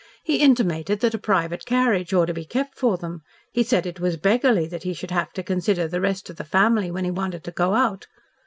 He intimated that a private carriage ought to be kept for them. He said it was beggarly that he should have to consider the rest of the family when he wanted to go out.